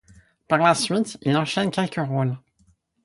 Par la suite, il enchaîne quelques rôles.